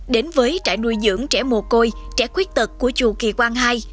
đến với trại nuôi dưỡng trẻ mồ côi trẻ quyết tật của chùa kỳ quan hai